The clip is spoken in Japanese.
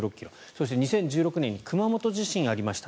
そして、２０１６年に熊本地震がありました。